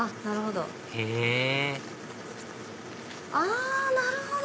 へぇあなるほど！